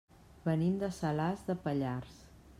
Venim de Salàs de Pallars.